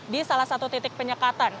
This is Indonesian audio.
di salah satu titik penyekatan